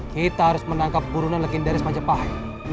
kita harus menangkap burunan legendaris majapahi